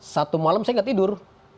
satu malam saya tidak tidur